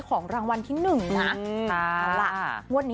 ของรางวัลที่หนึ่งนะ